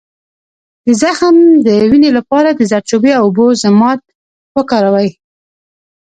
د زخم د وینې لپاره د زردچوبې او اوبو ضماد وکاروئ